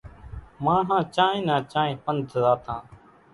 ماڻۿان چانئين نان چانئين پنڌ زاتان۔